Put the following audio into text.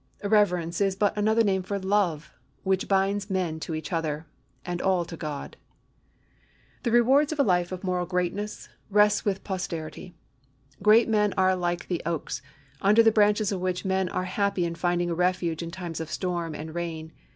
Reverence is but another name for love, which binds men to each other, and all to God. The rewards of a life of moral greatness rests with posterity. Great men are like the oaks, under the branches of which men are happy in finding a refuge in times of storm and rain.